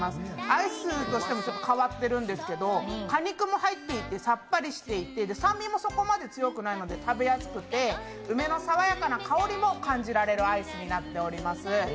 アイスとしても変わっているんですけど、果肉も入っていてさっぱりしていて、酸味もそこまで強くないので食べやすくて梅のさわやかな香りも感じられるアイスになっています。